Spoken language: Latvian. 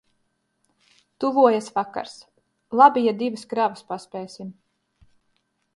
Tuvojas vakars. Labi, ja divas kravas paspēsim.